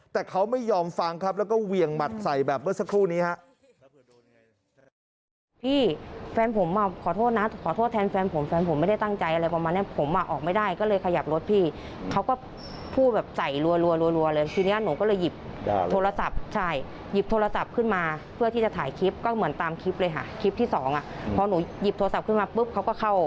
แต่เขาไม่ยอมฟังครับแล้วก็เวียงหมัดใส่แบบเมื่อสักครู่นี้ครับ